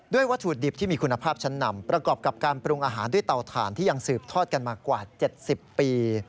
วัตถุดิบที่มีคุณภาพชั้นนำประกอบกับการปรุงอาหารด้วยเตาถ่านที่ยังสืบทอดกันมากว่า๗๐ปี